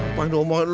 apa yang dia bawain